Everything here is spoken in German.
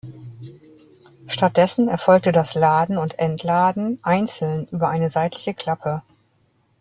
Stattdessen erfolgte das Laden und Entladen einzeln über eine seitliche Klappe.